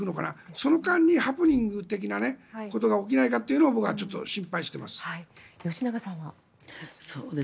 その間にハプニング的なことが起こらないかと心配しています。